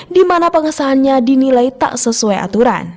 di mana pengesahannya dinilai tak sesuai aturan